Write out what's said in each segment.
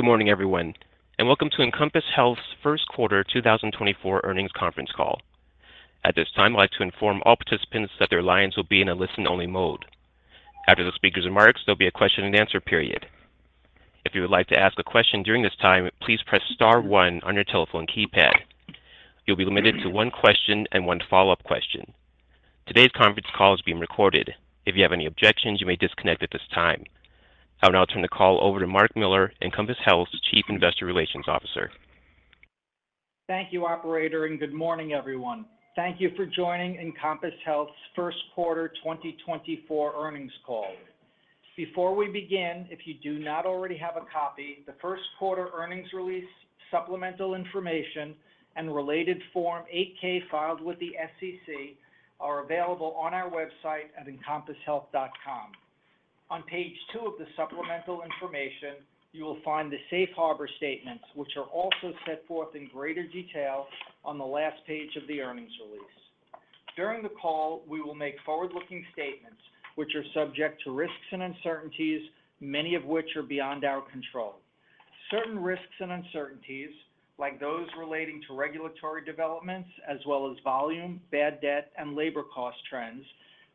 Good morning, everyone, and welcome to Encompass Health's First Quarter 2024 Earnings Conference Call. At this time, I'd like to inform all participants that their lines will be in a listen-only mode. After the speaker's remarks, there'll be a question-and-answer period. If you would like to ask a question during this time, please press star one on your telephone keypad. You'll be limited to one question and one follow-up question. Today's conference call is being recorded. If you have any objections, you may disconnect at this time. I will now turn the call over to Mark Miller, Encompass Health's Chief Investor Relations Officer. Thank you, operator, and good morning, everyone. Thank you for joining Encompass Health's First Quarter 2024 Earnings Call. Before we begin, if you do not already have a copy, the first quarter earnings release, supplemental information, and related Form 8-K filed with the SEC are available on our website at encompasshealth.com. On page two of the supplemental information, you will find the safe harbor statements, which are also set forth in greater detail on the last page of the earnings release. During the call, we will make forward-looking statements which are subject to risks and uncertainties, many of which are beyond our control. Certain risks and uncertainties, like those relating to regulatory developments as well as volume, bad debt, and labor cost trends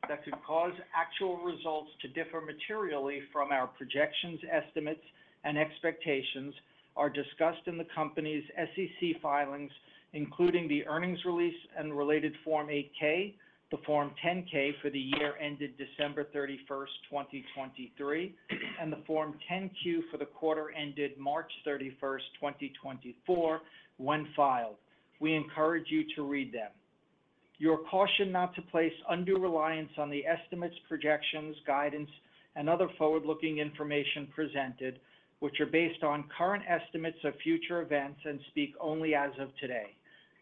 that could cause actual results to differ materially from our projections, estimates, and expectations, are discussed in the company's SEC filings, including the earnings release and related Form 8-K, the Form 10-K for the year ended December 31, 2023, and the Form 10-Q for the quarter ended March 31, 2024, when filed. We encourage you to read them. You are cautioned not to place undue reliance on the estimates, projections, guidance, and other forward-looking information presented, which are based on current estimates of future events and speak only as of today.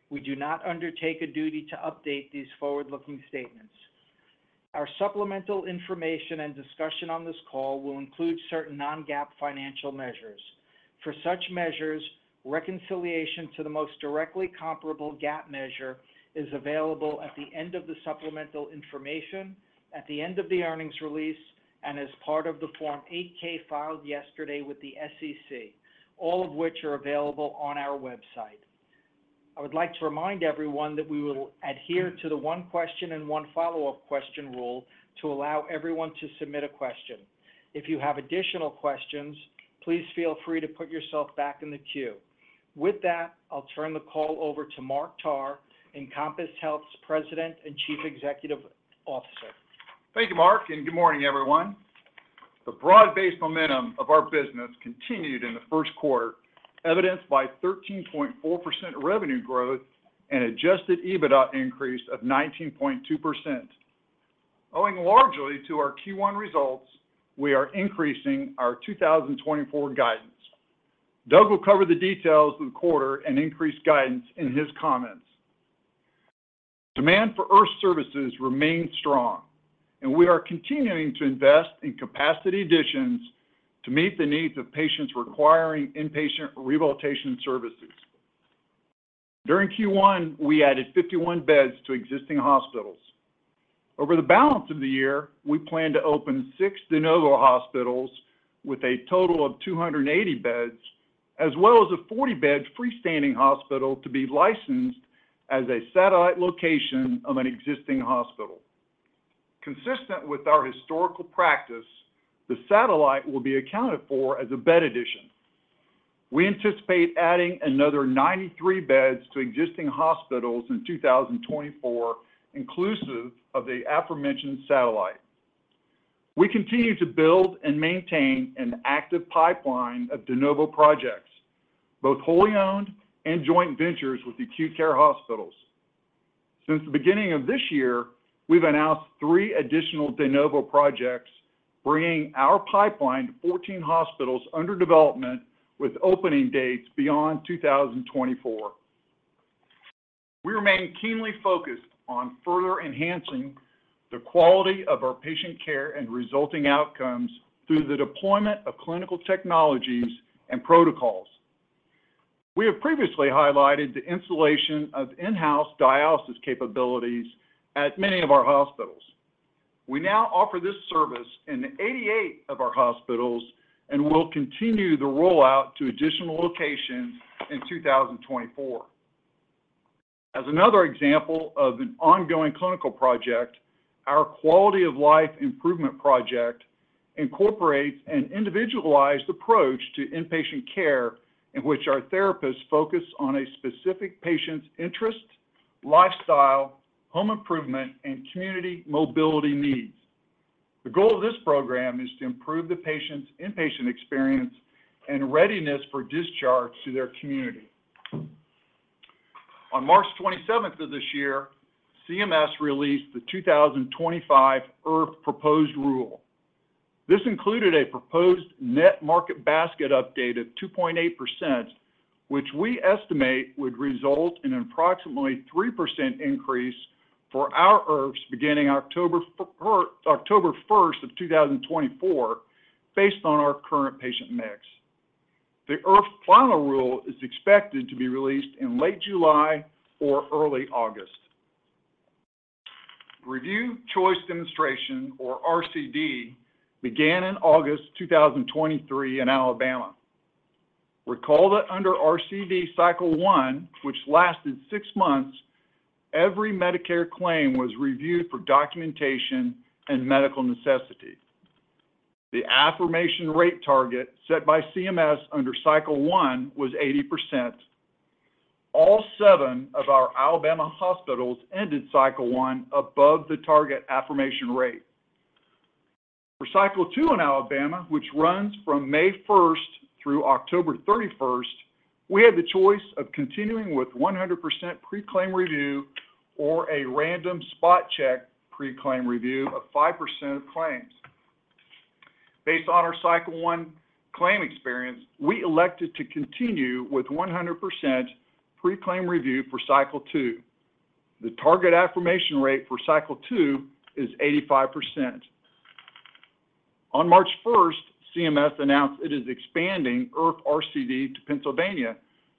We do not undertake a duty to update these forward-looking statements. Our supplemental information and discussion on this call will include certain non-GAAP financial measures. For such measures, reconciliation to the most directly comparable GAAP measure is available at the end of the supplemental information, at the end of the earnings release, and as part of the Form 8-K filed yesterday with the SEC, all of which are available on our website. I would like to remind everyone that we will adhere to the one question and one follow-up question rule to allow everyone to submit a question. If you have additional questions, please feel free to put yourself back in the queue. With that, I'll turn the call over to Mark Tarr, Encompass Health's President and Chief Executive Officer. Thank you, Mark, and good morning, everyone. The broad-based momentum of our business continued in the first quarter, evidenced by 13.4% revenue growth and adjusted EBITDA increase of 19.2%. Owing largely to our Q1 results, we are increasing our 2024 guidance. Doug will cover the details of the quarter and increased guidance in his comments. Demand for IRF services remains strong, and we are continuing to invest in capacity additions to meet the needs of patients requiring inpatient rehabilitation services. During Q1, we added 51 beds to existing hospitals. Over the balance of the year, we plan to open six de novo hospitals with a total of 280 beds, as well as a 40-bed freestanding hospital to be licensed as a satellite location of an existing hospital. Consistent with our historical practice, the satellite will be accounted for as a bed addition. We anticipate adding another 93 beds to existing hospitals in 2024, inclusive of the aforementioned satellite. We continue to build and maintain an active pipeline of de novo projects, both wholly owned and joint ventures with acute care hospitals. Since the beginning of this year, we've announced three additional de novo projects, bringing our pipeline to 14 hospitals under development with opening dates beyond 2024. We remain keenly focused on further enhancing the quality of our patient care and resulting outcomes through the deployment of clinical technologies and protocols. We have previously highlighted the installation of in-house dialysis capabilities at many of our hospitals. We now offer this service in 88 of our hospitals and will continue the rollout to additional locations in 2024. As another example of an ongoing clinical project, our quality of life improvement project incorporates an individualized approach to inpatient care in which our therapists focus on a specific patient's interest, lifestyle, home improvement, and community mobility needs. The goal of this program is to improve the patient's inpatient experience and readiness for discharge to their community. On March 27 of this year, CMS released the 2025 IRF proposed rule. This included a proposed net market basket update of 2.8%, which we estimate would result in approximately 3% increase for our IRFs beginning October 1st of 2024, based on our current patient mix. The IRF final rule is expected to be released in late July or early August.... Review Choice Demonstration, or RCD, began in August 2023 in Alabama. Recall that under RCD Cycle One, which lasted six months, every Medicare claim was reviewed for documentation and medical necessity. The affirmation rate target set by CMS under Cycle One was 80%. All seven of our Alabama hospitals ended Cycle One above the target affirmation rate. For Cycle Two in Alabama, which runs from May 1st through October 31st, we had the choice of continuing with 100% pre-claim review or a random spot check pre-claim review of 5% of claims. Based on our Cycle One claim experience, we elected to continue with 100% pre-claim review for Cycle Two. The target affirmation rate for Cycle Two is 85%. On March 1st, CMS announced it is expanding IRF RCD to Pennsylvania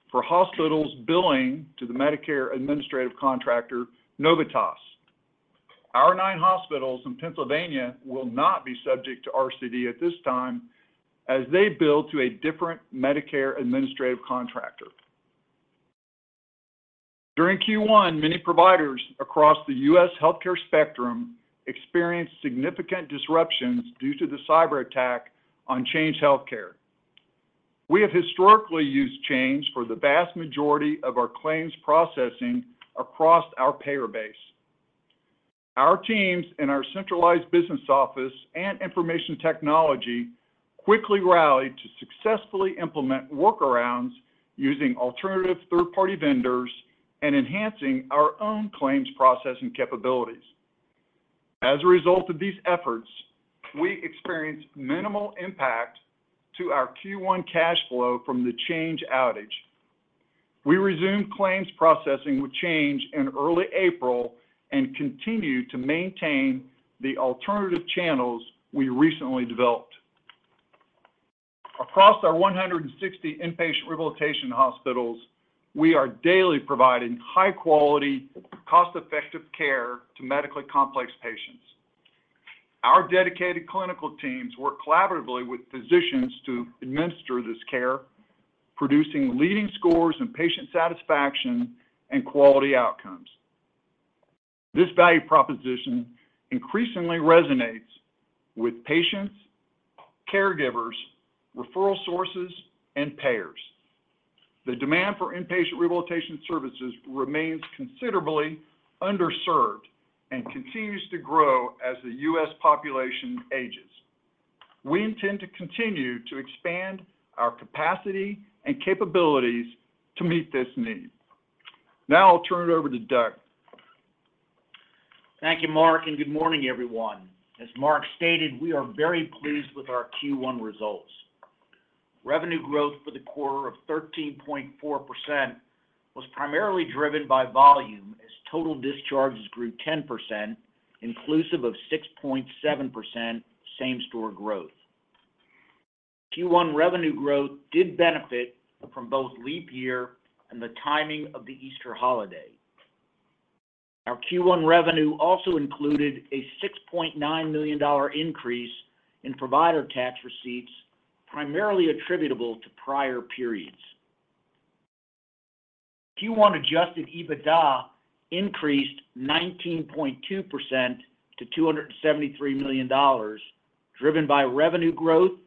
for hospitals billing to the Medicare administrative contractor, Novitas. Our nine hospitals in Pennsylvania will not be subject to RCD at this time, as they bill to a different Medicare Administrative Contractor. During Q1, many providers across the U.S. healthcare spectrum experienced significant disruptions due to the cyberattack on Change Healthcare. We have historically used Change for the vast majority of our claims processing across our payer base. Our teams in our centralized business office and information technology quickly rallied to successfully implement workarounds using alternative third-party vendors and enhancing our own claims processing capabilities. As a result of these efforts, we experienced minimal impact to our Q1 cash flow from the Change outage. We resumed claims processing with Change in early April and continue to maintain the alternative channels we recently developed. Across our 160 inpatient rehabilitation hospitals, we are daily providing high-quality, cost-effective care to medically complex patients. Our dedicated clinical teams work collaboratively with physicians to administer this care, producing leading scores in patient satisfaction and quality outcomes. This value proposition increasingly resonates with patients, caregivers, referral sources, and payers. The demand for inpatient rehabilitation services remains considerably underserved and continues to grow as the U.S. population ages. We intend to continue to expand our capacity and capabilities to meet this need. Now I'll turn it over to Doug. Thank you, Mark, and good morning, everyone. As Mark stated, we are very pleased with our Q1 results. Revenue growth for the quarter of 13.4% was primarily driven by volume, as total discharges grew 10%, inclusive of 6.7% same-store growth. Q1 revenue growth did benefit from both leap year and the timing of the Easter holiday. Our Q1 revenue also included a $6.9 million increase in provider tax receipts, primarily attributable to prior periods. Q1 adjusted EBITDA increased 19.2% to $273 million, driven by revenue growth,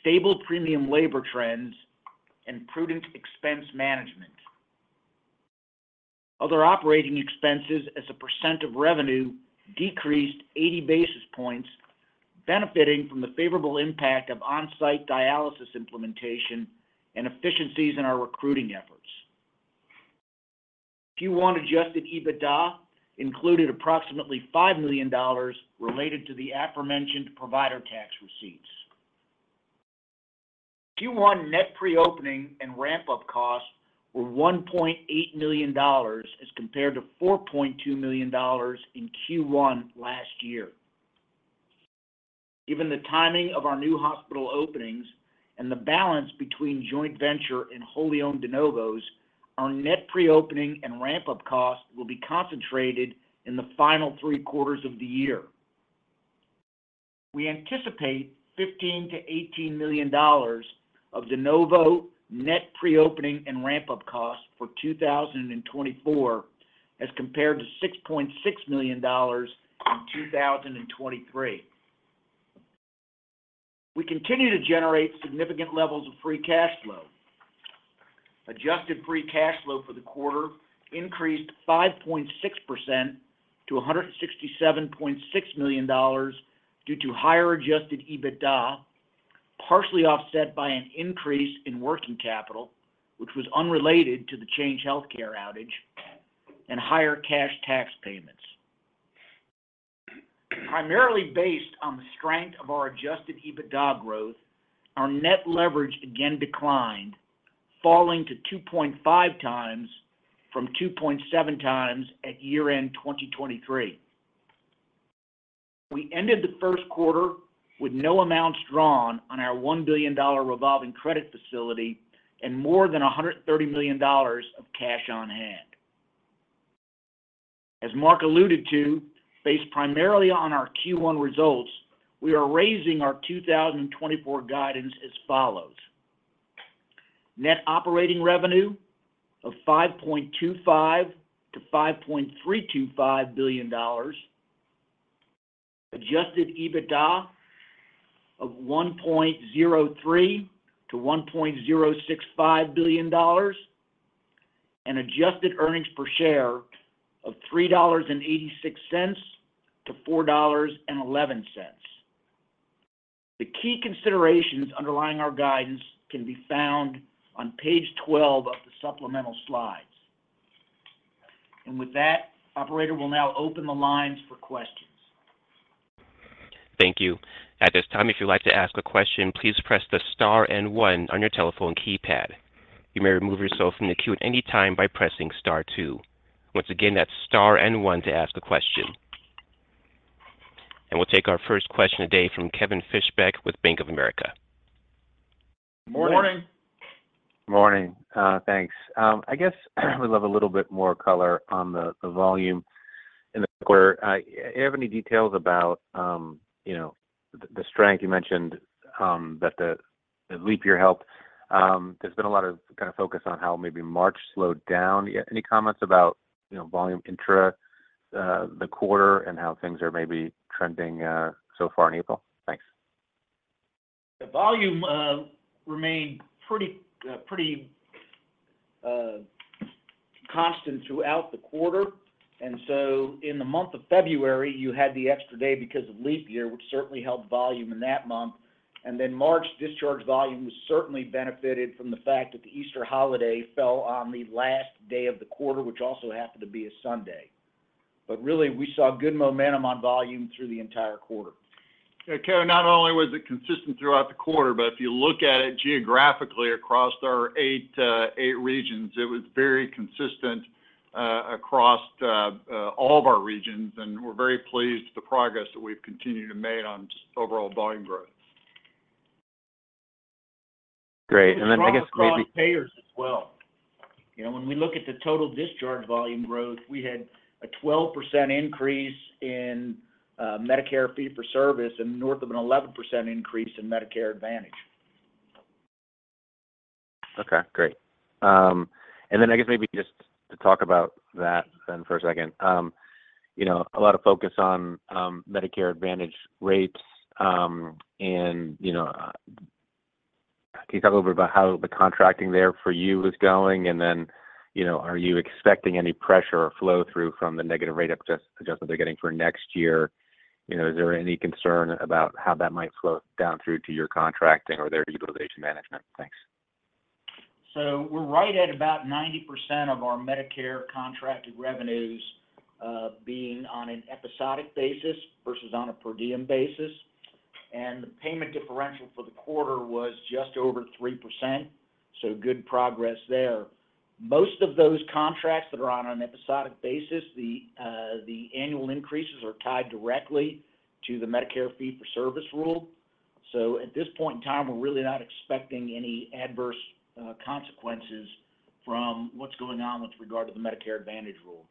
stable premium labor trends, and prudent expense management. Other operating expenses as a percent of revenue decreased 80 basis points, benefiting from the favorable impact of on-site dialysis implementation and efficiencies in our recruiting efforts. Q1 Adjusted EBITDA included approximately $5 million related to the aforementioned provider tax receipts. Q1 net pre-opening and ramp-up costs were $1.8 million, as compared to $4.2 million in Q1 last year. Given the timing of our new hospital openings and the balance between joint venture and wholly owned de novos, our net pre-opening and ramp-up costs will be concentrated in the final three quarters of the year. We anticipate $15 million-$18 million of de novo net pre-opening and ramp-up costs for 2024, as compared to $6.6 million in 2023. We continue to generate significant levels of free cash flow. Adjusted free cash flow for the quarter increased 5.6% to $167.6 million due to higher adjusted EBITDA, partially offset by an increase in working capital, which was unrelated to the Change Healthcare outage and higher cash tax payments. Primarily based on the strength of our adjusted EBITDA growth, our net leverage again declined, falling to 2.5 times from 2.7 times at year-end 2023. We ended the first quarter with no amounts drawn on our $1 billion revolving credit facility and more than $130 million of cash on hand. As Mark alluded to, based primarily on our Q1 results, we are raising our 2024 guidance as follows: Net operating revenue of $5.25 billion-$5.325 billion, adjusted EBITDA of $1.03 billion-$1.065 billion, and adjusted earnings per share of $3.86-$4.11. The key considerations underlying our guidance can be found on page 12 of the supplemental slides. And with that, operator, we'll now open the lines for questions. Thank you. At this time, if you'd like to ask a question, please press the star and one on your telephone keypad. You may remove yourself from the queue at any time by pressing star two. Once again, that's star and one to ask a question. We'll take our first question today from Kevin Fischbeck with Bank of America. Morning. Morning. Thanks. I guess I would love a little bit more color on the volume in the quarter. You have any details about, you know, the strength you mentioned, that the leap year helped? There's been a lot of kind of focus on how maybe March slowed down. Any comments about, you know, volume intra the quarter and how things are maybe trending so far in April? Thanks. The volume remained pretty constant throughout the quarter, and so in the month of February, you had the extra day because of leap year, which certainly helped volume in that month. And then March, discharge volume was certainly benefited from the fact that the Easter holiday fell on the last day of the quarter, which also happened to be a Sunday. But really, we saw good momentum on volume through the entire quarter. Yeah, Kevin, not only was it consistent throughout the quarter, but if you look at it geographically across our eight regions, it was very consistent across all of our regions, and we're very pleased with the progress that we've continued to make on just overall volume growth. Great. And then I guess maybe. Payers as well. You know, when we look at the total discharge volume growth, we had a 12% increase in Medicare fee-for-service and north of an 11% increase in Medicare Advantage. Okay, great. And then I guess maybe just to talk about that then for a second. You know, a lot of focus on Medicare Advantage rates, and, you know, can you talk a little bit about how the contracting there for you is going, and then, you know, are you expecting any pressure or flow-through from the negative rate adjustment they're getting for next year? You know, is there any concern about how that might flow down through to your contracting or their utilization management? Thanks. So we're right at about 90% of our Medicare contracted revenues, being on an episodic basis versus on a per diem basis. And the payment differential for the quarter was just over 3%, so good progress there. Most of those contracts that are on an episodic basis, the annual increases are tied directly to the Medicare fee-for-service rule. So at this point in time, we're really not expecting any adverse consequences from what's going on with regard to the Medicare Advantage rule.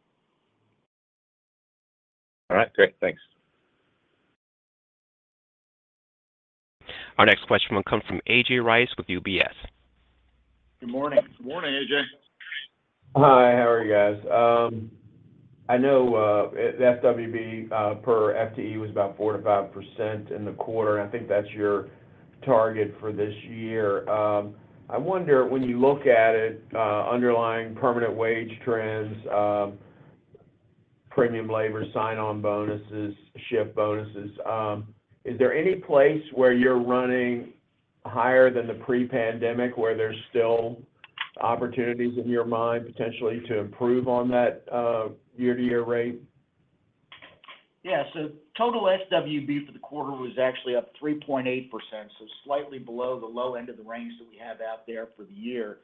All right, great. Thanks. Our next question will come from A.J. Rice with UBS. Good morning. Good morning, A.J. Hi, how are you guys? I know, SWB per FTE was about 4% to 5% in the quarter, and I think that's your target for this year. I wonder when you look at it, underlying permanent wage trends, premium labor, sign-on bonuses, shift bonuses, is there any place where you're running higher than the pre-pandemic, where there's still opportunities in your mind, potentially, to improve on that, year-to-year rate? Yeah, so total SWB for the quarter was actually up 3.8%, so slightly below the low end of the range that we have out there for the year.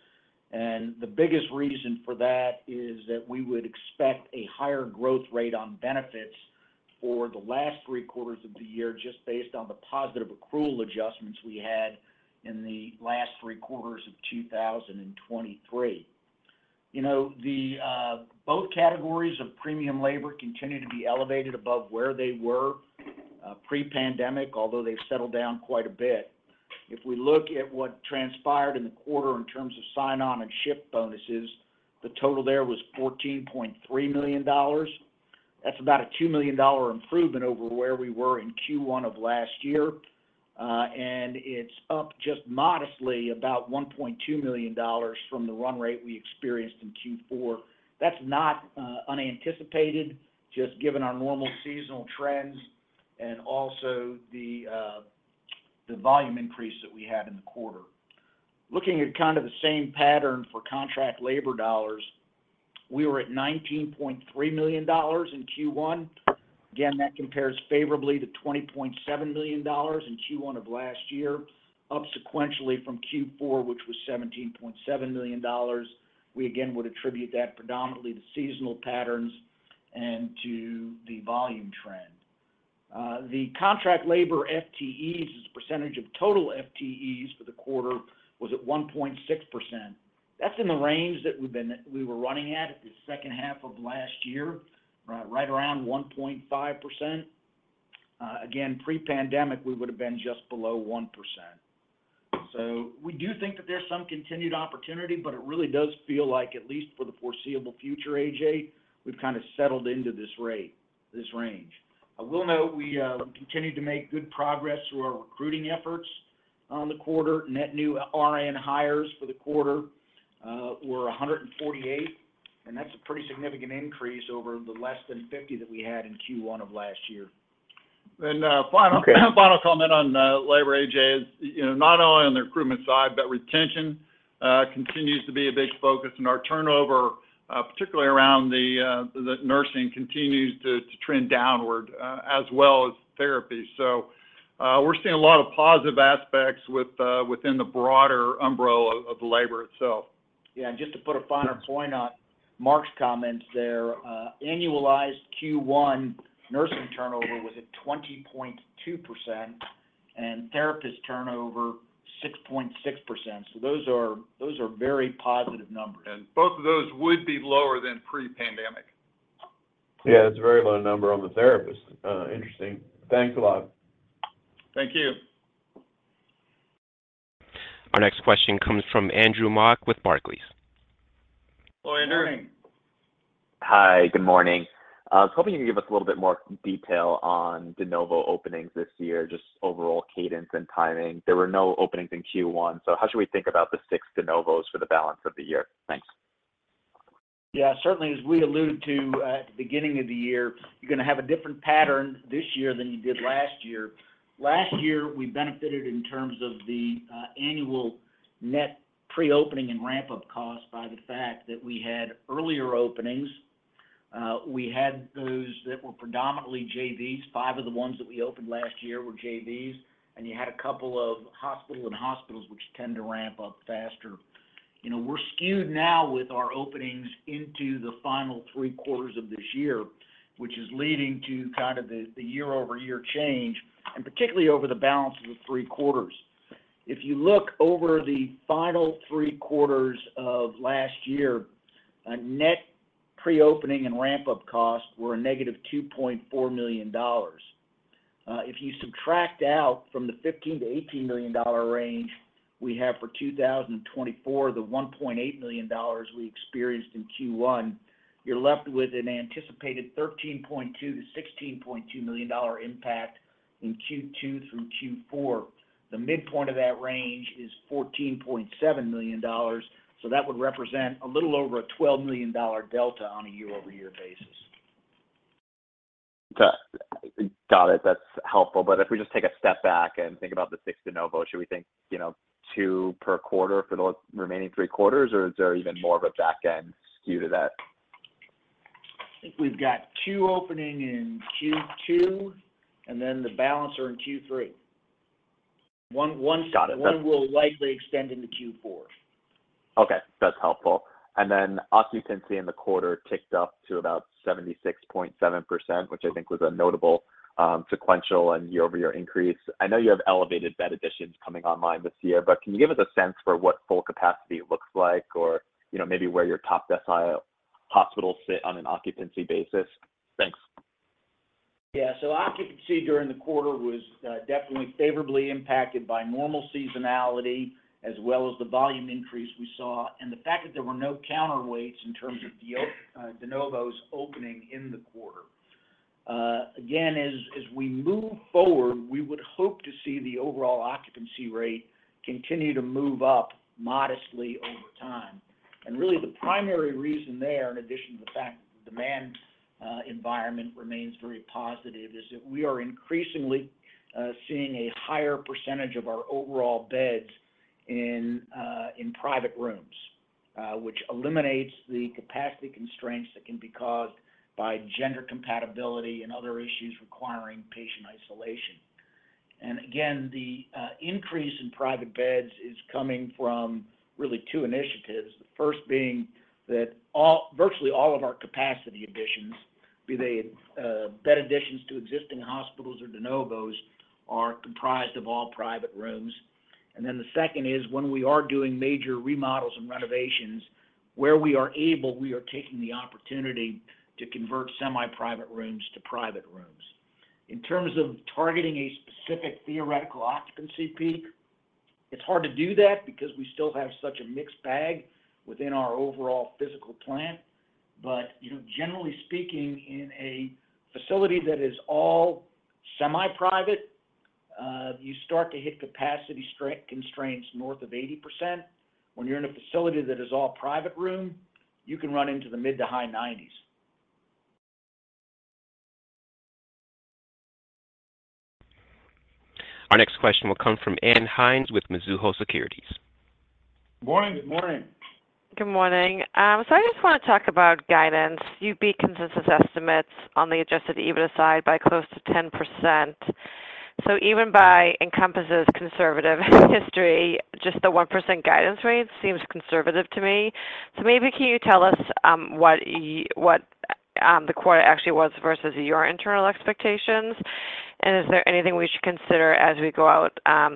The biggest reason for that is that we would expect a higher growth rate on benefits for the last three quarters of the year, just based on the positive accrual adjustments we had in the last three quarters of 2023. You know, the both categories of premium labor continue to be elevated above where they were pre-pandemic, although they've settled down quite a bit. If we look at what transpired in the quarter in terms of sign-on and shift bonuses, the total there was $14.3 million. That's about a $2 million improvement over where we were in Q1 of last year, and it's up just modestly about $1.2 million from the run rate we experienced in Q4. That's not unanticipated, just given our normal seasonal trends and also the volume increase that we had in the quarter. Looking at kind of the same pattern for contract labor dollars, we were at $19.3 million in Q1. Again, that compares favorably to $20.7 million in Q1 of last year, up sequentially from Q4, which was $17.7 million. We again would attribute that predominantly to seasonal patterns and to the volume trend. The contract labor FTEs as a percentage of total FTEs for the quarter was at 1.6%. That's in the range that we were running at in the second half of last year, right around 1.5%. Again, pre-pandemic, we would have been just below 1%. So we do think that there's some continued opportunity, but it really does feel like, at least for the foreseeable future, A.J., we've kind of settled into this rate, this range. I will note, we continued to make good progress through our recruiting efforts on the quarter. Net new RN hires for the quarter were 148, and that's a pretty significant increase over the less than 50 that we had in Q1 of last year. Final, final comment on labor, A.J., is, you know, not only on the recruitment side, but retention continues to be a big focus, and our turnover, particularly around the nursing, continues to trend downward, as well as therapy. So, we're seeing a lot of positive aspects with within the broader umbrella of labor itself. Yeah, and just to put a finer point on Mark's comments there, annualized Q1 nursing turnover was at 20.2%, and therapist turnover, 6.6%. So those are, those are very positive numbers. Both of those would be lower than pre-pandemic. Yeah, that's a very low number on the therapist. Interesting. Thanks a lot. Thank you. Our next question comes from Andrew Mok with Barclays. [How are you doing?] Hi, good morning. I was hoping you could give us a little bit more detail on de novo openings this year, just overall cadence and timing. There were no openings in Q1, so how should we think about the six de novos for the balance of the year? Thanks. Yeah, certainly, as we alluded to at the beginning of the year, you're going to have a different pattern this year than you did last year. Last year, we benefited in terms of the annual net pre-opening and ramp-up cost by the fact that we had earlier openings. We had those that were predominantly JVs. Five of the ones that we opened last year were JVs, and you had a couple of hospital-in-hospitals, which tend to ramp up faster. You know, we're skewed now with our openings into the final three quarters of this year, which is leading to kind of the year-over-year change, and particularly over the balance of the three quarters. If you look over the final three quarters of last year, a net pre-opening and ramp-up cost were a -$2.4 million. If you subtract out from the $15 million-$18 million range we have for 2024, the $1.8 million we experienced in Q1, you're left with an anticipated $13.2 million-$16.2 million impact in Q2 through Q4. The midpoint of that range is $14.7 million, so that would represent a little over a $12 million delta on a year-over-year basis. Got it. That's helpful. But if we just take a step back and think about the six de novos, should we think, you know, two per quarter for the remaining three quarters, or is there even more of a back-end skew to that? I think we've got two openings in Q2, and then the balance are in Q3. Got it. One will likely extend into Q4. Okay, that's helpful. Then occupancy in the quarter ticked up to about 76.7%, which I think was a notable, sequential and year-over-year increase. I know you have elevated bed additions coming online this year, but can you give us a sense for what full capacity looks like, or, you know, maybe where your top decile hospitals sit on an occupancy basis? Thanks. Yeah, so occupancy during the quarter was definitely favorably impacted by normal seasonality, as well as the volume increase we saw, and the fact that there were no counterweights in terms of the de novos opening in the quarter. Again, as we move forward, we would hope to see the overall occupancy rate continue to move up modestly over time. And really, the primary reason there, in addition to the fact the demand environment remains very positive, is that we are increasingly seeing a higher percentage of our overall beds in private rooms, which eliminates the capacity constraints that can be caused by gender compatibility and other issues requiring patient isolation. And again, the increase in private beds is coming from really two initiatives. The first being that all, virtually all of our capacity additions, be they, bed additions to existing hospitals or de novos, are comprised of all private rooms. And then the second is, when we are doing major remodels and renovations, where we are able, we are taking the opportunity to convert semi-private rooms to private rooms. In terms of targeting a specific theoretical occupancy peak, it's hard to do that because we still have such a mixed bag within our overall physical plant. But, you know, generally speaking, in a facility that is all semi-private, you start to hit capacity constraints north of 80%. When you're in a facility that is all private room, you can run into the mid- to high 90s. Our next question will come from Ann Hynes with Mizuho Securities. Morning. Good morning. Good morning. So I just want to talk about guidance. You beat consensus estimates on the adjusted EBITDA side by close to 10%. So even by Encompass' conservative history, just the 1% guidance rate seems conservative to me. So maybe can you tell us, what the quarter actually was versus your internal expectations? And is there anything we should consider as we go out,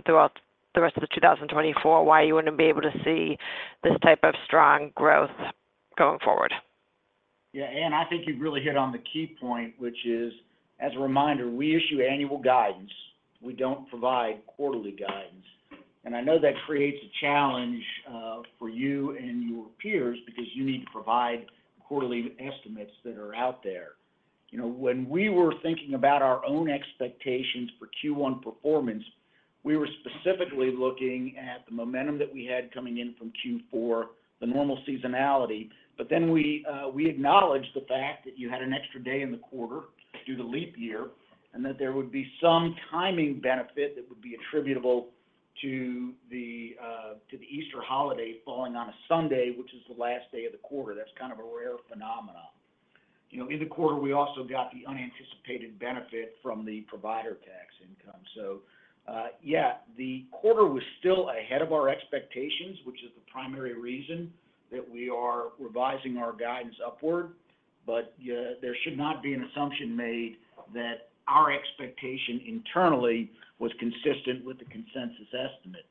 throughout the rest of 2024, why you wouldn't be able to see this type of strong growth going forward? Yeah, Ann, I think you've really hit on the key point, which is, as a reminder, we issue annual guidance. We don't provide quarterly guidance. I know that creates a challenge for you and your peers because you need to provide quarterly estimates that are out there. You know, when we were thinking about our own expectations for Q1 performance, we were specifically looking at the momentum that we had coming in from Q4, the normal seasonality. But then we acknowledged the fact that you had an extra day in the quarter due to leap year, and that there would be some timing benefit that would be attributable to the Easter holiday falling on a Sunday, which is the last day of the quarter. That's kind of a rare phenomenon. You know, in the quarter, we also got the unanticipated benefit from the provider tax income. So, yeah, the quarter was still ahead of our expectations, which is the primary reason that we are revising our guidance upward. But, yeah, there should not be an assumption made that our expectation internally was consistent with the consensus estimate.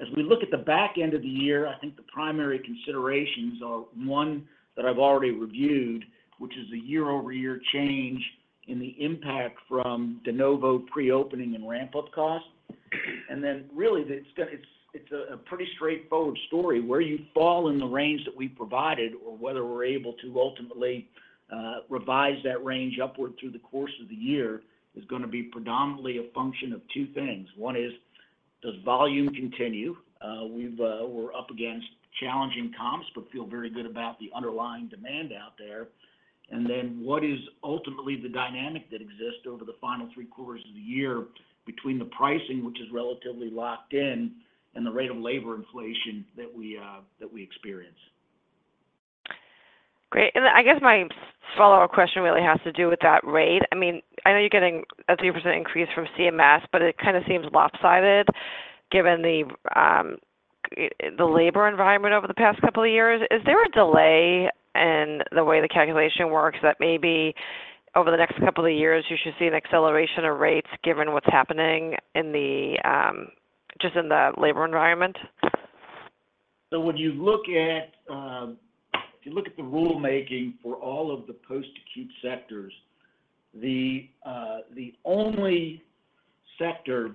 As we look at the back end of the year, I think the primary considerations are, one, that I've already reviewed, which is a year-over-year change in the impact from de novo preopening and ramp-up costs. And then really, it's, it's a pretty straightforward story. Where you fall in the range that we provided, or whether we're able to ultimately, revise that range upward through the course of the year, is gonna be predominantly a function of two things. One is, does volume continue? We're up against challenging comps, but feel very good about the underlying demand out there. And then what is ultimately the dynamic that exists over the final three quarters of the year between the pricing, which is relatively locked in, and the rate of labor inflation that we, that we experience. Great. Then I guess my follow-up question really has to do with that rate. I mean, I know you're getting a 3% increase from CMS, but it kinda seems lopsided given the labor environment over the past couple of years. Is there a delay in the way the calculation works, that maybe over the next couple of years, you should see an acceleration of rates given what's happening in just the labor environment? So when you look at, if you look at the rulemaking for all of the post-acute sectors, the, the only sector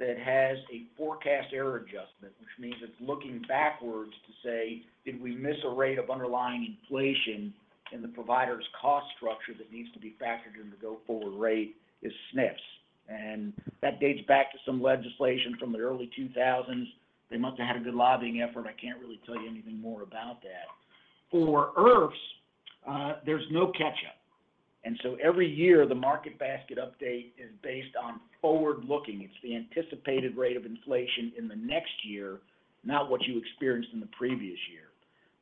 that has a forecast error adjustment, which means it's looking backwards to say, "Did we miss a rate of underlying inflation in the provider's cost structure that needs to be factored in the go-forward rate?" is SNFs. And that dates back to some legislation from the early 2000s. They must have had a good lobbying effort. I can't really tell you anything more about that. For IRFs, there's no catch-up. And so every year, the market basket update is based on forward-looking. It's the anticipated rate of inflation in the next year, not what you experienced in the previous year.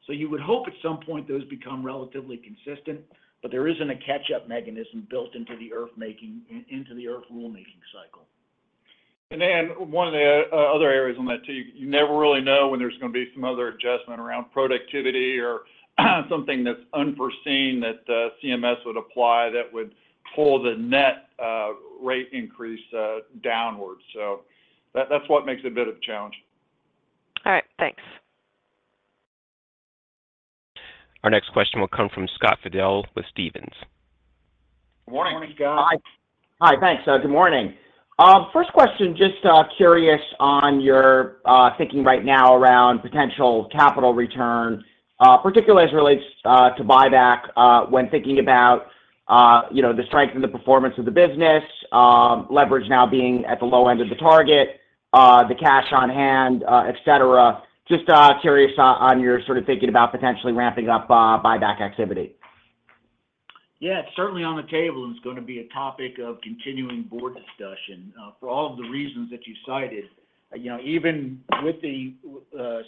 So you would hope at some point, those become relatively consistent, but there isn't a catch-up mechanism built into the IRF-making, into the IRF rulemaking cycle. And Anne, one of the other areas on that, too, you never really know when there's gonna be some other adjustment around productivity or something that's unforeseen that CMS would apply that would pull the net rate increase downwards. So that, that's what makes it a bit of a challenge. All right, thanks. Our next question will come from Scott Fidel with Stephens. Morning Morning, Scott. Hi. Hi, thanks. Good morning. First question, just curious on your thinking right now around potential capital return, particularly as it relates to buyback, when thinking about, you know, the strength and the performance of the business, leverage now being at the low end of the target, the cash on hand, et cetera. Just curious on your sort of thinking about potentially ramping up buyback activity. Yeah, it's certainly on the table, and it's gonna be a topic of continuing board discussion for all of the reasons that you cited. You know, even with the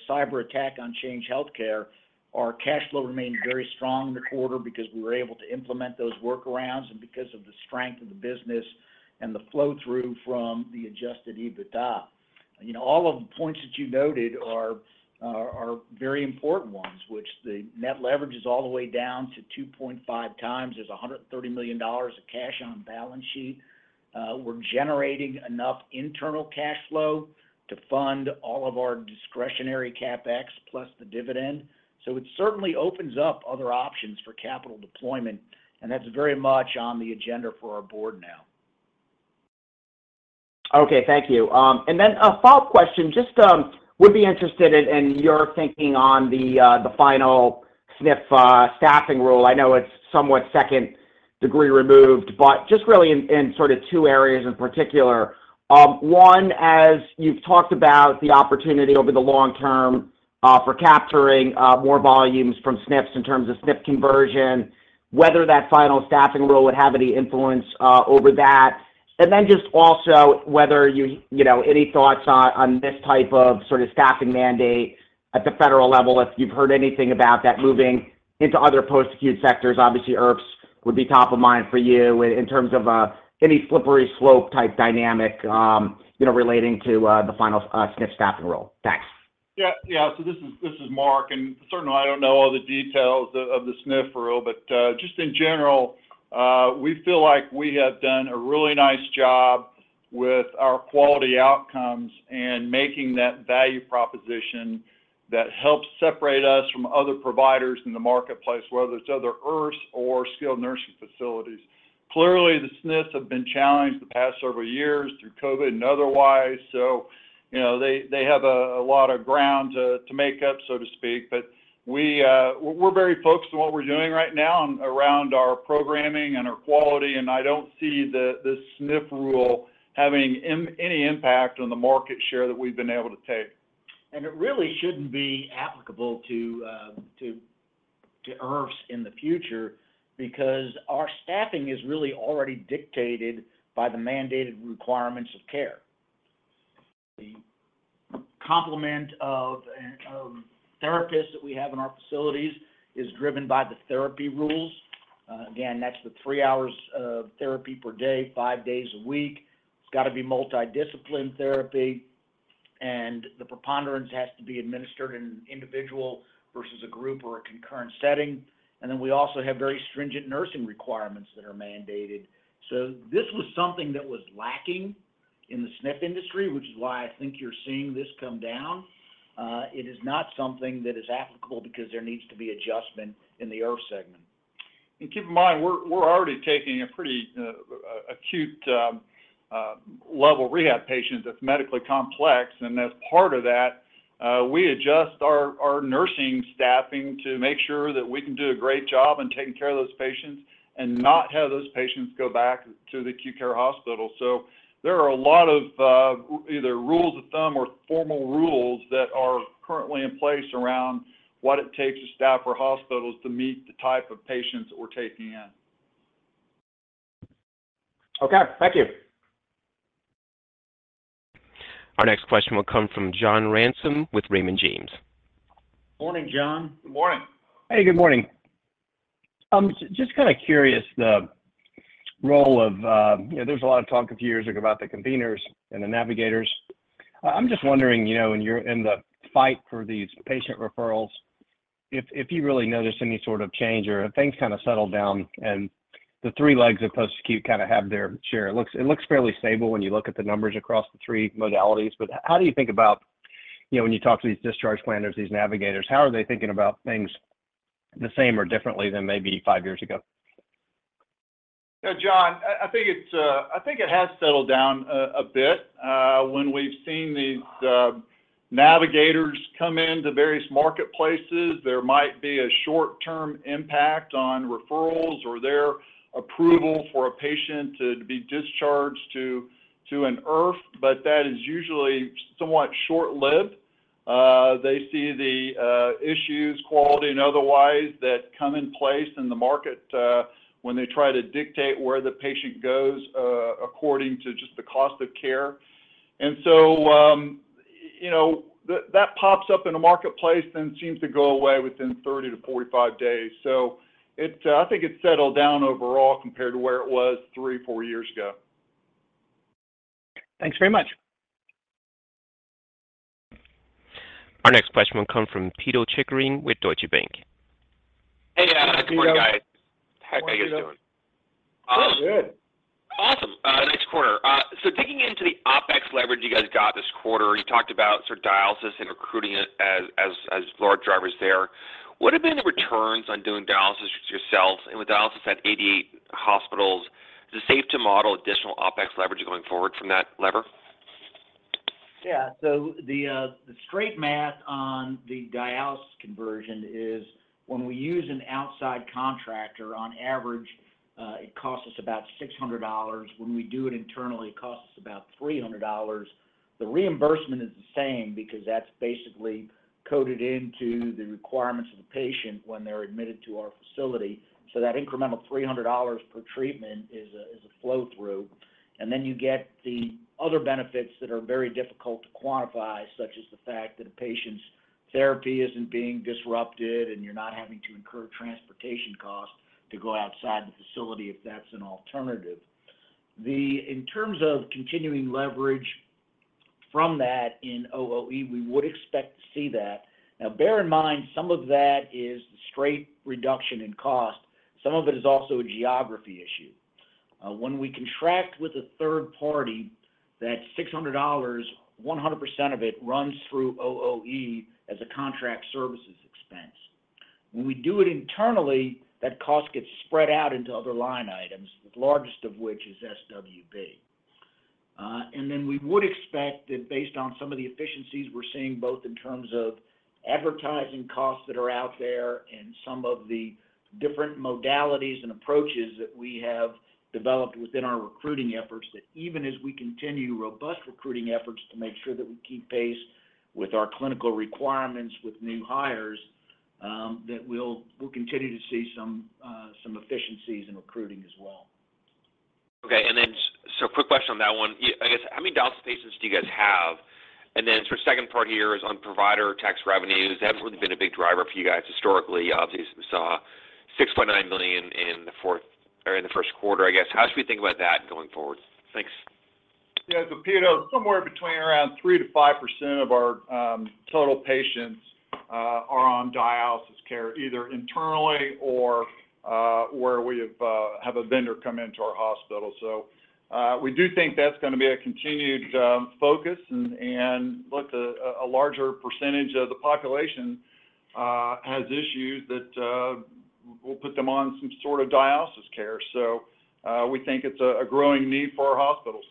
cyberattack on Change Healthcare, our cash flow remained very strong in the quarter because we were able to implement those workarounds and because of the strength of the business and the flow-through from the Adjusted EBITDA. You know, all of the points that you noted are very important ones, which the net leverage is all the way down to 2.5x. There's $130 million of cash on the balance sheet. We're generating enough internal cash flow to fund all of our discretionary CapEx plus the dividend. So it certainly opens up other options for capital deployment, and that's very much on the agenda for our board now. Okay, thank you. And then a follow-up question. Just, would be interested in your thinking on the final SNF staffing rule. I know it's somewhat second degree removed, but just really in sort of two areas in particular. One, as you've talked about the opportunity over the long term for capturing more volumes from SNFs in terms of SNF conversion, whether that final staffing rule would have any influence over that. And then just also whether you, you know, any thoughts on this type of sort of staffing mandate at the federal level, if you've heard anything about that moving into other post-acute sectors, obviously, IRFs would be top of mind for you in terms of any slippery slope type dynamic, you know, relating to the final SNF staffing rule. Thanks. Yeah, yeah. So this is, this is Mark, and certainly I don't know all the details of the SNF rule, but just in general, we feel like we have done a really nice job with our quality outcomes and making that value proposition that helps separate us from other providers in the marketplace, whether it's other IRFs or skilled nursing facilities. Clearly, the SNFs have been challenged the past several years through COVID and otherwise, so you know, they have a lot of ground to make up, so to speak. But we're very focused on what we're doing right now and around our programming and our quality, and I don't see the SNF rule having any impact on the market share that we've been able to take. It really shouldn't be applicable to IRFs in the future because our staffing is really already dictated by the mandated requirements of care. The complement of therapists that we have in our facilities is driven by the therapy rules. Again, that's the three hours of therapy per day, five days a week. It's got to be multidiscipline therapy, and the preponderance has to be administered in an individual versus a group or a concurrent setting. And then we also have very stringent nursing requirements that are mandated. So this was something that was lacking in the SNF industry, which is why I think you're seeing this come down. It is not something that is applicable because there needs to be adjustment in the IRF segment. And keep in mind, we're already taking a pretty acute level rehab patient that's medically complex, and as part of that, we adjust our nursing staffing to make sure that we can do a great job in taking care of those patients and not have those patients go back to the acute care hospital. So there are a lot of either rules of thumb or formal rules that are currently in place around what it takes to staff our hospitals to meet the type of patients that we're taking in. Okay, thank you. Our next question will come from John Ransom with Raymond James. Morning, John. Good morning. Hey, good morning. I'm just kinda curious, the role of, you know, there's a lot of talk a few years ago about the conveners and the navigators. I'm just wondering, you know, when you're in the fight for these patient referrals, if you really noticed any sort of change or have things kinda settled down and the three legs of post-acute kinda have their share? It looks fairly stable when you look at the numbers across the three modalities, but how do you think about, you know, when you talk to these discharge planners, these navigators, how are they thinking about things the same or differently than maybe five years ago? Yeah, John, I think it has settled down a bit. When we've seen these navigators come into various marketplaces, there might be a short-term impact on referrals or their approval for a patient to be discharged to an IRF, but that is usually somewhat short-lived. They see the issues, quality and otherwise, that come in place in the market when they try to dictate where the patient goes according to just the cost of care. And so, you know, that pops up in the marketplace, then seems to go away within 30-45 days. So I think it's settled down overall compared to where it was three to four years ago. Thanks very much. Our next question will come from Pito Chickering with Deutsche Bank. Hey, good morning, guys. Hey, Pito. How you guys doing? Good. Awesome. Nice quarter. So digging into the OpEx leverage you guys got this quarter, you talked about sort of dialysis and recruiting as large drivers there. What have been the returns on doing dialysis yourselves? And with dialysis at 88 hospitals, is it safe to model additional OpEx leverage going forward from that lever? Yeah. So the, the straight math on the dialysis conversion is when we use an outside contractor, on average, it costs us about $600. When we do it internally, it costs us about $300. The reimbursement is the same because that's basically coded into the requirements of the patient when they're admitted to our facility. So that incremental $300 per treatment is a flow-through. And then you get the other benefits that are very difficult to quantify, such as the fact that a patient's therapy isn't being disrupted, and you're not having to incur transportation costs to go outside the facility if that's an alternative. The, in terms of continuing leverage from that in OOE, we would expect to see that. Now, bear in mind, some of that is straight reduction in cost. Some of it is also a geography issue. When we contract with a third party, that $600, 100% of it runs through OOE as a contract services expense. When we do it internally, that cost gets spread out into other line items, the largest of which is SWB. And then we would expect that based on some of the efficiencies we're seeing, both in terms of advertising costs that are out there and some of the different modalities and approaches that we have developed within our recruiting efforts, that even as we continue robust recruiting efforts to make sure that we keep pace with our clinical requirements with new hires, that we'll continue to see some efficiencies in recruiting as well. Okay. Then, quick question on that one. I guess, how many dialysis patients do you guys have? And then sort of second part here is on provider tax revenues. That's really been a big driver for you guys historically. Obviously, we saw $6.9 million in the fourth, or in the first quarter, I guess. How should we think about that going forward? Thanks. Yeah, so Peter, somewhere between around 3% to 5% of our total patients are on dialysis care, either internally or where we have a vendor come into our hospital. So, we do think that's gonna be a continued focus. And look, a larger percentage of the population has issues that will put them on some sort of dialysis care. So, we think it's a growing need for our hospitals.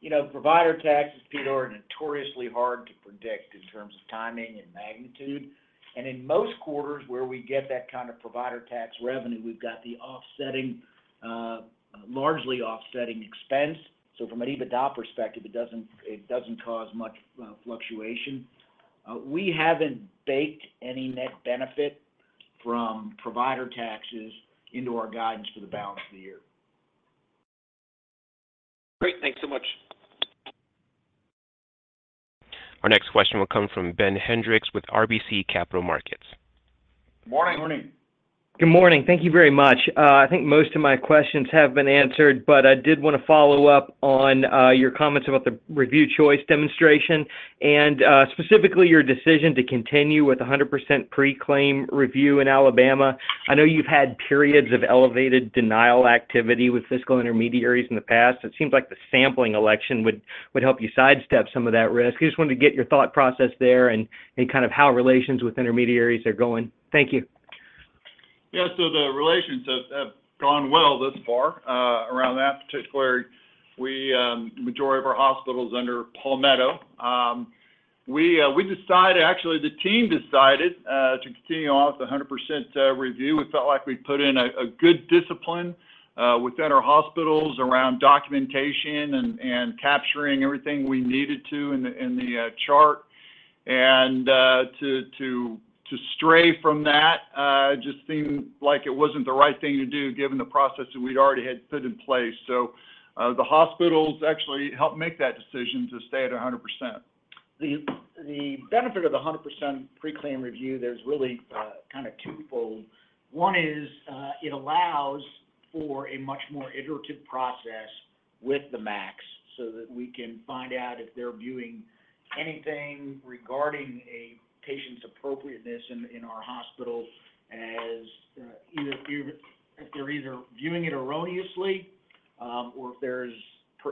You know, provider taxes, Pito, are notoriously hard to predict in terms of timing and magnitude. And in most quarters, where we get that kind of provider tax revenue, we've got the offsetting, largely offsetting expense. So from an EBITDA perspective, it doesn't, it doesn't cause much, fluctuation. We haven't baked any net benefit from provider taxes into our guidance for the balance of the year. Great. Thanks so much. Our next question will come from Ben Hendrix with RBC Capital Markets. Good morning. Good morning. Good morning. Thank you very much. I think most of my questions have been answered, but I did want to follow up on your comments about the Review Choice Demonstration, and specifically your decision to continue with 100% pre-claim review in Alabama. I know you've had periods of elevated denial activity with fiscal intermediaries in the past. It seems like the sampling election would help you sidestep some of that risk. I just wanted to get your thought process there and kind of how relations with intermediaries are going. Thank you. Yeah, so the relations have gone well thus far around that particular area. Majority of our hospitals under Palmetto. We decided. Actually, the team decided to continue on with the 100% review. We felt like we put in a good discipline within our hospitals around documentation and capturing everything we needed to in the chart. And to stray from that just seemed like it wasn't the right thing to do, given the process that we'd already had put in place. So, the hospitals actually helped make that decision to stay at 100%. The benefit of the 100% pre-claim review, there's really kind of twofold. One is it allows for a much more iterative process with the MACs, so that we can find out if they're viewing anything regarding a patient's appropriateness in, in our hospital, as either viewing it erroneously, or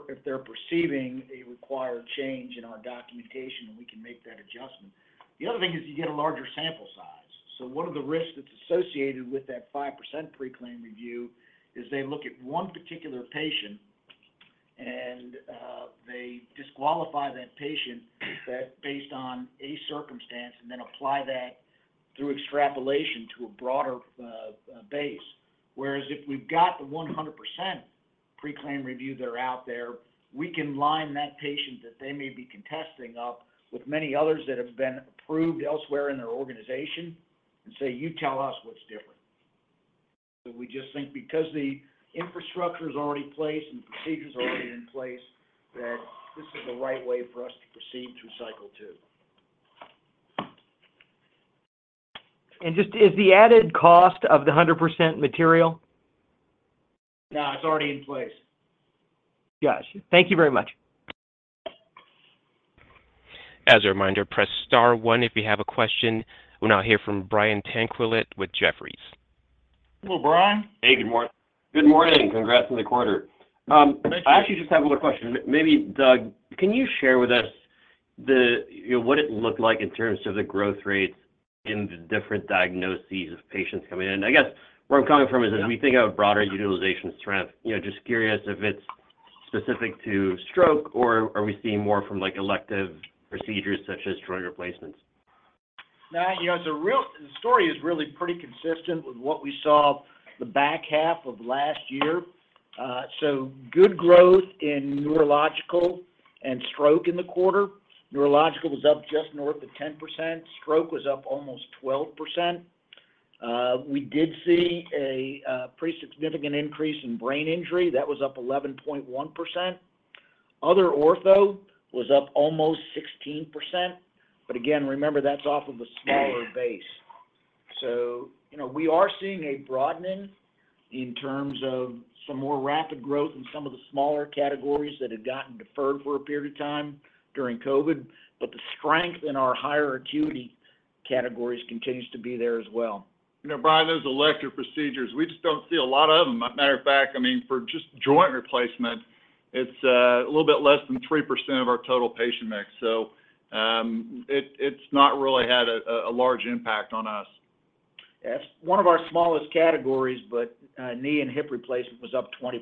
if they're perceiving a required change in our documentation, and we can make that adjustment. The other thing is you get a larger sample size. So one of the risks that's associated with that 5% pre-claim review is they look at one particular patient, and they disqualify that patient, that based on a circumstance, and then apply that through extrapolation to a broader base. Whereas if we've got the 100% pre-claim review that are out there, we can line that patient that they may be contesting up with many others that have been approved elsewhere in their organization and say, "You tell us what's different." So we just think because the infrastructure is already in place and procedures are already in place, that this is the right way for us to proceed through Cycle Two. Just, is the added cost of the 100% material? No, it's already in place. Got you. Thank you very much. As a reminder, press star one if you have a question. We'll now hear from Brian Tanquilut with Jefferies. Hello, Brian. Hey, good morning. Good morning. Congrats on the quarter. Thank you. I actually just have one more question. Maybe, Doug, can you share with us the, you know, what it looked like in terms of the growth rates in the different diagnoses of patients coming in? I guess where I'm coming from is... Yeah... as we think of broader utilization strength, you know, just curious if it's specific to stroke, or are we seeing more from, like, elective procedures such as joint replacements? Nah, you know, it's the story is really pretty consistent with what we saw the back half of last year. So good growth in neurological and stroke in the quarter. Neurological was up just north of 10%, stroke was up almost 12%. We did see a pretty significant increase in brain injury. That was up 11.1%. Other ortho was up almost 16%, but again, remember, that's off of a smaller base. So, you know, we are seeing a broadening in terms of some more rapid growth in some of the smaller categories that had gotten deferred for a period of time during COVID, but the strength in our higher acuity categories continues to be there as well. You know, Brian, those elective procedures, we just don't see a lot of them. As a matter of fact, I mean, for just joint replacement, it's a little bit less than 3% of our total patient mix. So, it's not really had a large impact on us. Yeah. It's one of our smallest categories, but knee and hip replacement was up 20%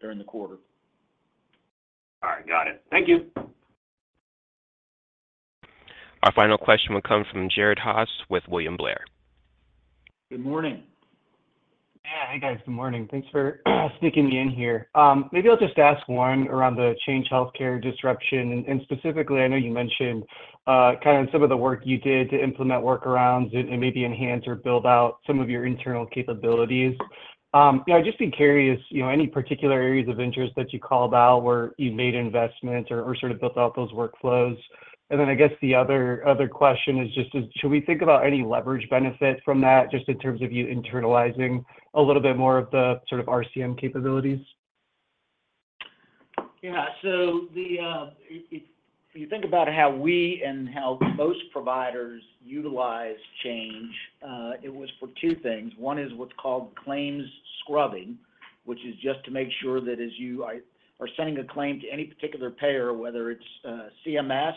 during the quarter. All right, got it. Thank you. Our final question will come from Jared Haase with William Blair. Good morning. Yeah. Hey, guys, good morning. Thanks for sticking me in here. Maybe I'll just ask one around the Change Healthcare disruption, and, and specifically, I know you mentioned, kind of some of the work you did to implement workarounds and, and maybe enhance or build out some of your internal capabilities. Yeah, I'd just be curious, you know, any particular areas of interest that you called out where you made investments or, or sort of built out those workflows? And then I guess the other, other question is just as should we think about any leverage benefit from that, just in terms of you internalizing a little bit more of the sort of RCM capabilities? Yeah. So if you think about how we and how most providers utilize Change, it was for two things. One is what's called claims scrubbing, which is just to make sure that as you are sending a claim to any particular payer, whether it's CMS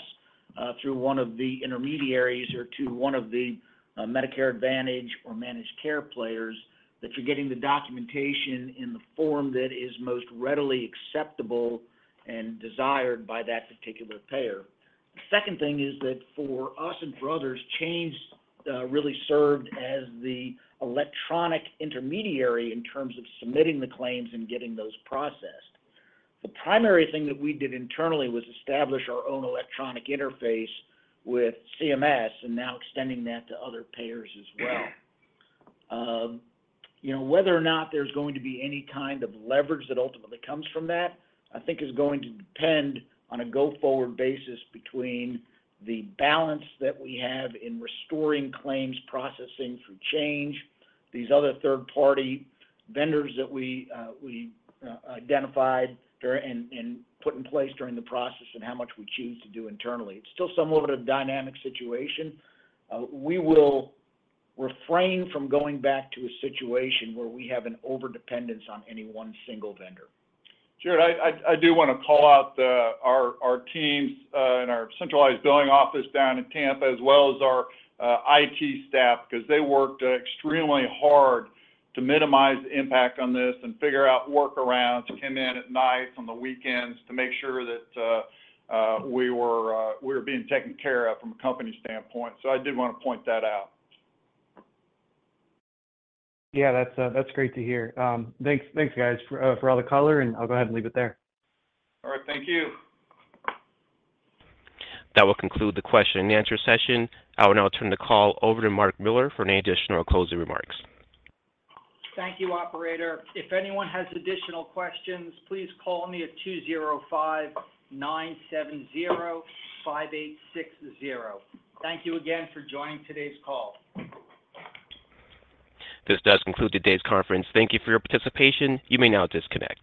through one of the intermediaries or to one of the Medicare Advantage or managed care players, that you're getting the documentation in the form that is most readily acceptable and desired by that particular payer. The second thing is that for us and for others, Change really served as the electronic intermediary in terms of submitting the claims and getting those processed. The primary thing that we did internally was establish our own electronic interface with CMS, and now extending that to other payers as well. You know, whether or not there's going to be any kind of leverage that ultimately comes from that, I think is going to depend on a go-forward basis between the balance that we have in restoring claims processing through Change, these other third-party vendors that we identified during and put in place during the process, and how much we choose to do internally. It's still somewhat of a dynamic situation. We will refrain from going back to a situation where we have an overdependence on any one single vendor. Jared, I do want to call out our teams and our centralized billing office down in Tampa, as well as our IT staff, 'cause they worked extremely hard to minimize the impact on this and figure out workarounds, came in at night, on the weekends, to make sure that we were being taken care of from a company standpoint. So I did want to point that out. Yeah, that's great to hear. Thanks, thanks, guys, for all the color, and I'll go ahead and leave it there. All right. Thank you. That will conclude the question and answer session. I will now turn the call over to Mark Miller for any additional closing remarks. Thank you, operator. If anyone has additional questions, please call me at 205-970-5860. Thank you again for joining today's call. This does conclude today's conference. Thank you for your participation. You may now disconnect.